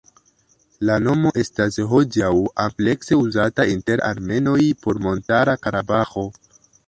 La nomo estas hodiaŭ amplekse uzata inter armenoj por Montara Karabaĥo.